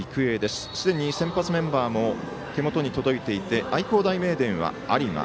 すでに先発メンバーも手元に届いていて愛工大名電は有馬。